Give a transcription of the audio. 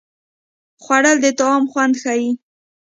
خوړل د طعام خوند ښيي